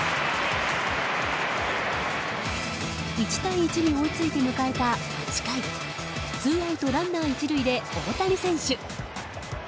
１対１に追いついて迎えた８回ツーアウトランナー、１塁で大谷選手。